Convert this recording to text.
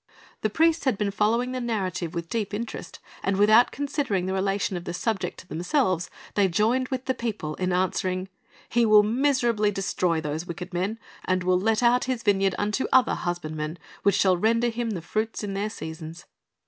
The priests had been following the narrative with deep interest, and without considering the relation of the subject to themselves they joined with the people in answering, "He will miserably destroy those wicked men, and will let out his vineyard unto other husbandmen, which shall render him the fruits in their seasons."